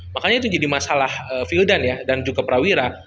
makanya itu jadi masalah fiodan ya dan juga prawira